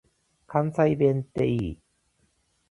関西弁って良い。